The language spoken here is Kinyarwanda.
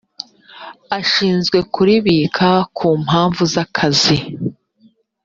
ashinzwe kuribika ku mpamvu z akazi